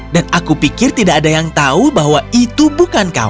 aku pikir tidak ada yang tahu bahwa itu bukan kamu